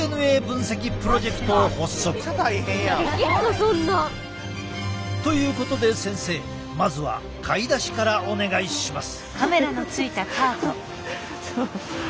そんな。ということで先生まずは買い出しからお願いします。